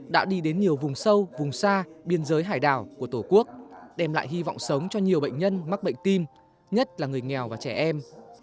đã đi đến nhiều vùng sâu vùng xa biên giới hải đảo của tổ quốc đem lại hy vọng sống cho nhiều bệnh nhân mắc bệnh tim nhất là người nghèo và trẻ em